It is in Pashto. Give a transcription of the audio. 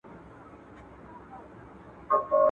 شمعه وژلې وه لوېدلې هيڅ يې نه وه ليده